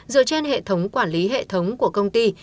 dựa trên hệ thống quản lý hệ thống của công ty